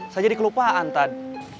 saya jadi kelupaan tad